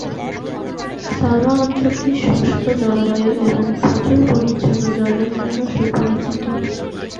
সালমা অঞ্চলটি শুষ্ক জলবায়ু এবং প্রচুর পরিচ্ছন্ন জলের জন্য সুপরিচিত।